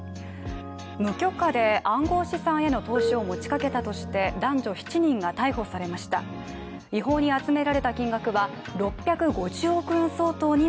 無許可で暗号資産への投資を持ち掛けたとして男女７人が逮捕されました。